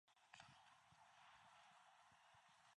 It is located south-west of Ignalina.